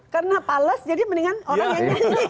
karena pales jadi mendingan orang yang nyanyi